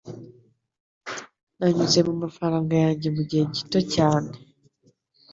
Nanyuze mumafaranga yanjye mugihe gito cyane.